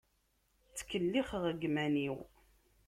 Ttkellixeɣ deg yiman-iw.